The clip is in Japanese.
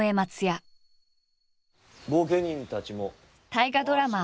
大河ドラマ